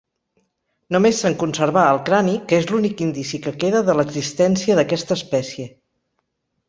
Només se'n conservà el crani, que és l'únic indici que queda de l'existència d'aquesta espècie.